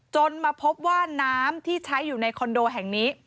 จนมาพบว่าน้ำที่ใช้อยู่ในคอนโดแห่งนี้